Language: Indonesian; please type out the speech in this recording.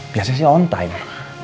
biasanya sih on time